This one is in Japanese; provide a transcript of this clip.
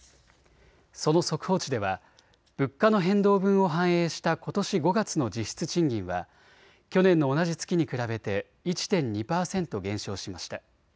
その速報値では物価の変動分を反映したことし５月の実質賃金は去年の同じ月に比べて１．２％減少しました。